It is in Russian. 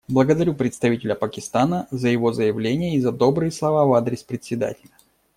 Благодарю представителя Пакистана за его заявление и за добрые слова в адрес Председателя.